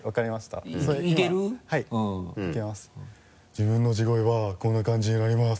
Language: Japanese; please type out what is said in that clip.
自分の地声はこんな感じになります。